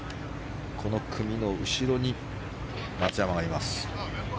この組の後ろに松山がいます。